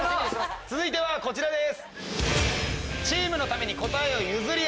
続いてはこちらです。